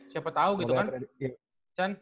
siapa tahu gitu kan